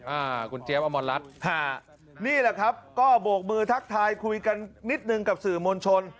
อ่าคุณเจี๊ยบอมรรัฐฮะนี่แหละครับก็โบกมือทักทายคุยกันนิดนึงกับสื่อมวลชน